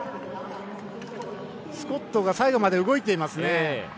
スコットが最後まで動いていますね。